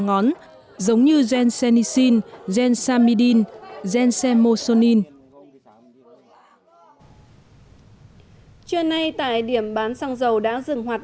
giống như gensenicin gensamidin gensamosonin trưa nay tại điểm bán xăng dầu đã dừng hoạt